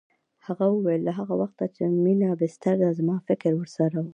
هغه وویل له هغه وخته چې مينه بستر ده زما فکر ورسره و